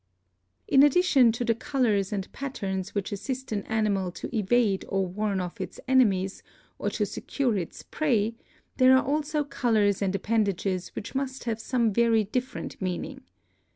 In addition to the colors and patterns which assist an animal to evade or warn off its enemies or to secure its prey there are also colors and appendages which must have some very different meaning.